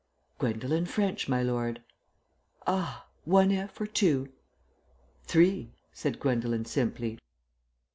"Gwendolen French, my lord." "Ah! One 'f' or two?" "Three," said Gwendolen simply.